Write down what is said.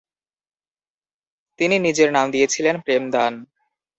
তিনি নিজের নাম দিয়েছিলেন "প্রেমদান"।